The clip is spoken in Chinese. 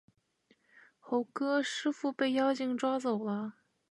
猴哥，师父被妖精抓走了